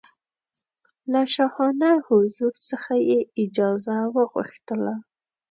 له شاهانه حضور څخه یې اجازه وغوښتله.